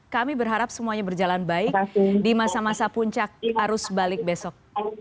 kami berharap semuanya berjalan baik di masa masa puncak arus balik besok